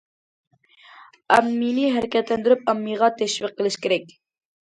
ئاممىنى ھەرىكەتلەندۈرۈپ، ئاممىغا تەشۋىق قىلىش كېرەك.